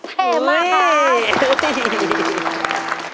เท่มากครับ